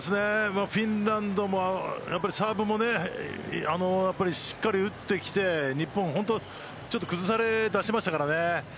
フィンランドも、サーブをしっかり打ってきて日本は崩され出しましたからね。